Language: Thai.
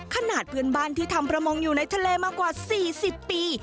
ขนาดเพื่อนบ้านที่ทำประมงอยู่ในทะเลมากว่า๔๐ปี